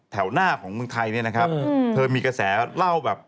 เธอมีกระแสเล่า